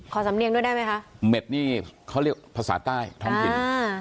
สำเนียงด้วยได้ไหมคะเม็ดนี่เขาเรียกภาษาใต้ท้องถิ่นอ่า